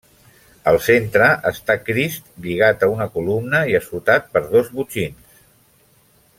Al centre està Crist lligat a una columna i assotat per dos botxins.